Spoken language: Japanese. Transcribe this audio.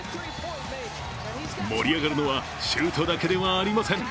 盛り上がるのはシュートだけではありません。